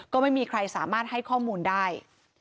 ก็ไม่มีใครสามารถให้ข้อมูลได้